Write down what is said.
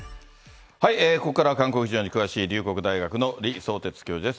ここからは韓国事情に詳しい、龍谷大学の李相哲教授です。